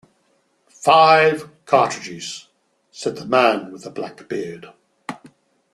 "Five cartridges," said the man with the black beard.